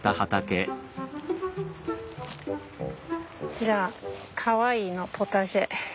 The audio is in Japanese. じゃあかわいいのポタジェ。